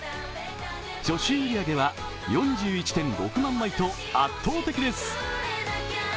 初週売り上げは、４１．６万枚と圧倒的です。